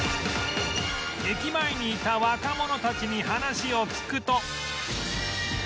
駅前にいた若者たちに話を聞くと